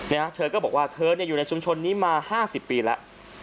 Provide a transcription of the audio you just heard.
นะฮะเธอก็บอกว่าเธอเนี่ยอยู่ในชุมชนนี้มาห้าสิบปีแล้ว